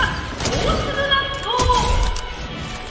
大粒納豆！